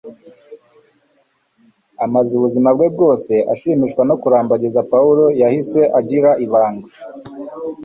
Amaze ubuzima bwe bwose ashimishwa no kurambagiza, Pawulo yahise agira ibanga